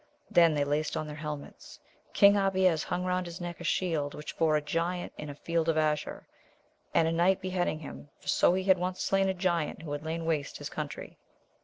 Then they laced on their helmets. Eang Abies hung round his neck a shield, which bore a giant in a field azure, and a knight beheading him, for so he had once slain a giant who had lain waste his country.